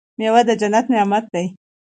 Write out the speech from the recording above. میوه د جنت نعمت دی.